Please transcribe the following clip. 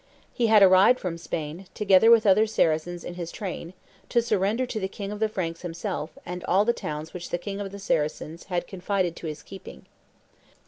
He had arrived from Spain, together with other Saracens in his train, to surrender to the king of the Franks himself and all the towns which the king of the Saracens had confided to his keeping."